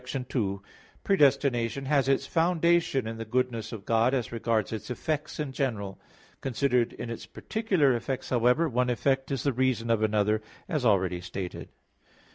2: Predestination has its foundation in the goodness of God as regards its effects in general. Considered in its particular effects, however, one effect is the reason of another; as already stated.